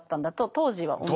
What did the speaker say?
当時は。